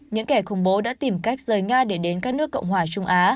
những kẻ khủng bố đã tìm cách rời nga để đến các nước cộng hòa trung á